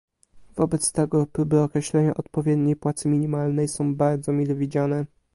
Wobec tego próby określenia odpowiedniej płacy minimalnej są bardzo mile widziane